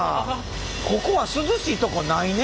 ここは涼しいとこないね。